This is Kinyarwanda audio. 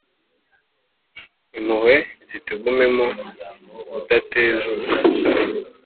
Impuhwe nizitugumemo ubudatezuka,